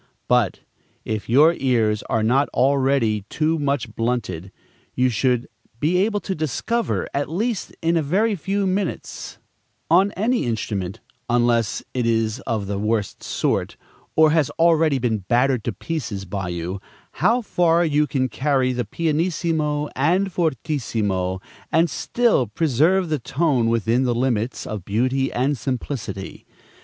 But, if your ears are not already too much blunted, you should be able to discover, at least in a very few minutes, on any instrument, unless it is of the worst sort, or has already been battered to pieces by you, how far you can carry the pianissimo and fortissimo, and still preserve the tone within the limits of beauty and simplicity.